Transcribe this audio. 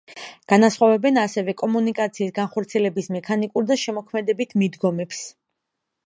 განასხვავებენ ასევე კომუნიკაციის განხორციელების მექანიკურ და შემოქმედებით მიდგომებს.